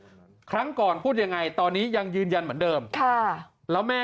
ครั้งก่อนพูดยังไงตอนนี้ยังยืนยันเหมือนเดิมค่ะแล้วแม่